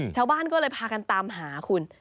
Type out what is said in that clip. ชาวบ้านก็เลยพากันตามหาคุณ